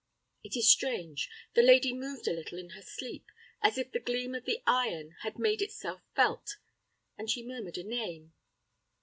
It is strange: the lady moved a little in her sleep, as if the gleam of the iron had made itself felt, and she murmured a name.